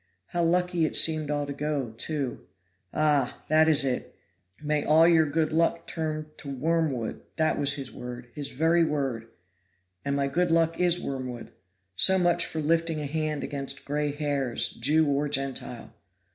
How lucky it seemed all to go, too. Ah! that is it 'May all your good luck turn to wormwood!' that was his word his very word and my good luck is wormwood; so much for lifting a hand against gray hairs, Jew or Gentile.